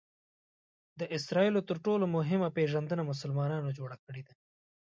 د اسراییلو تر ټولو مهمه پېژندنه مسلمانانو جوړه کړې ده.